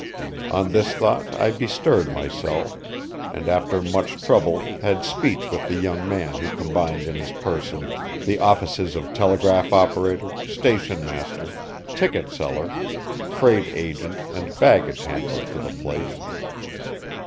On this thought I bestirred myself, and after much trouble had speech with the young man who combined in his person the offices of telegraph operator, station master, ticket seller, freight agent and baggage handler for the place.